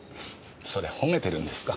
それ褒めてるんですか？